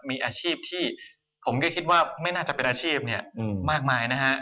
มีอาชีพที่ผมก็คิดว่าไม่น่าจะเป็นอาชีพเนี่ยมากมายนะฮะ